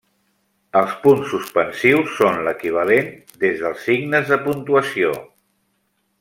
Els punts suspensius són l'equivalent des dels signes de puntuació.